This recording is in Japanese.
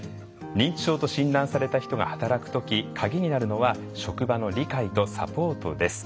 認知症と診断された人が働く時鍵になるのは職場の理解とサポートです。